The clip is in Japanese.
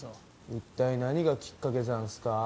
一体何がきっかけざんすか？